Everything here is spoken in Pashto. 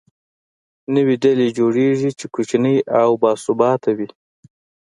نوې ډلې جوړېږي، چې کوچنۍ او باثباته وي.